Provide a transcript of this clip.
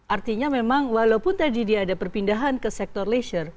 artinya memang walaupun tadi dia ada perpindahan ke sektor leisure